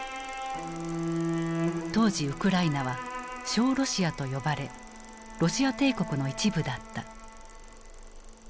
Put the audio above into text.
当時ウクライナは「小ロシア」と呼ばれロシア帝国の一部だった。